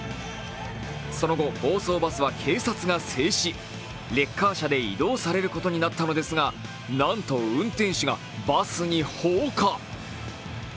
その後暴走バスは警察が制止、レッカー車で移動されることになったのですがなんと運転手がバスに放火。